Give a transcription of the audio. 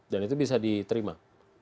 dan itu bisa diterima